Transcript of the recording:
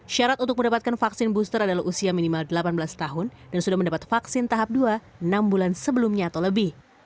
syarat untuk mendapatkan vaksin booster adalah usia minimal delapan belas tahun dan sudah mendapat vaksin tahap dua enam bulan sebelumnya atau lebih